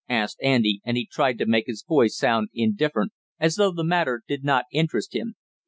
asked Andy, and he tried to make his voice sound indifferent, as though the matter did not interest him.